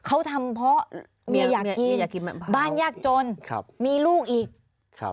เขาทำเพราะเมียอยากกินบ้านยากจนมีลูกอีก